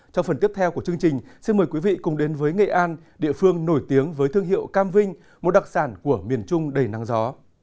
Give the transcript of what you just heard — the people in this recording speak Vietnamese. trong phần tiếp theo của chương trình xin mời quý vị cùng đến với nghệ an địa phương nổi tiếng với thương hiệu cam vinh một đặc sản của miền trung đầy nắng gió